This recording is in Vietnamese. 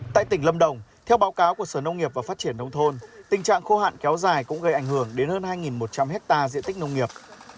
tại tỉnh lâm đồng theo báo cáo của sở nông nghiệp và phát triển nông thôn tình trạng khô hạn kéo dài cũng gây ảnh hưởng đến hơn hai một trăm linh hectare diện tích nông nghiệp